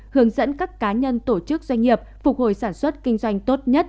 hướng dẫn các cá nhân tổ chức doanh nghiệp phục hồi sản xuất kinh doanh tốt nhất